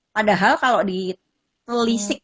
padahal kalau ditelisik